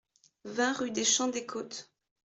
vingt rue des Champs des Côtes